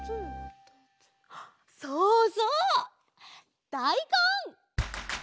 そうそうだいこん！